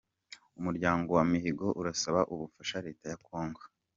Umuryango wa mihigo urasaba ubufasha Leta ya kongo